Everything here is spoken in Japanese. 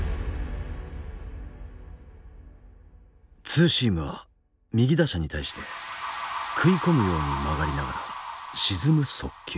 ツーシームは右打者に対して食い込むように曲がりながら沈む速球。